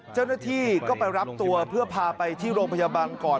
เจ้าหน้าที่ก็ไปรับตัวเพื่อพาไปที่โรงพยาบาลก่อน